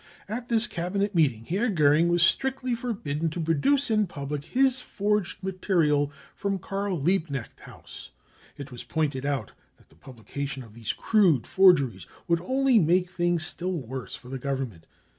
At this Cabinet meet ing Herr Goering was strictly forbidden to produce in public his forged material from Karl Liebknecht House. It was pointed out that the publication of these crude forgeries would only make things still worse for the Government.